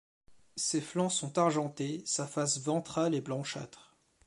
Ses flancs sont argentés, sa face ventrale est blanchâtre.